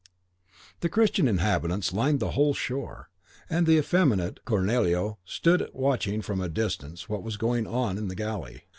The Christian inhabitants lined the whole shore, and the effeminate Cornelio stood watching from a distance what was going on in the galley.